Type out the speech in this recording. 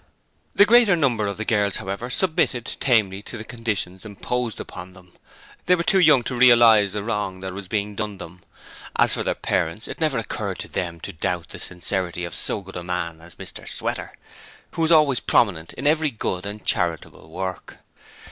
The greater number of the girls, however, submitted tamely to the conditions imposed upon them. They were too young to realize the wrong that was being done them. As for their parents, it never occurred to them to doubt the sincerity of so good a man as Mr Sweater, who was always prominent in every good and charitable work.